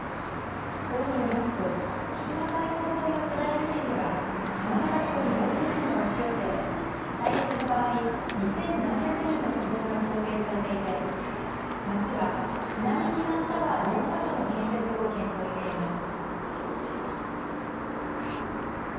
道によりますと千島海溝沿いの巨大地震では浜中町に大津波が押し寄せ最悪の場合２７００人の死亡が想定されていて町は津波避難タワー４か所の建設を検討しています。